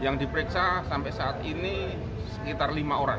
yang diperiksa sampai saat ini sekitar lima orang